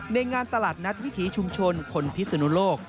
งานตลาดนัดวิถีชุมชนคนพิศนุโลก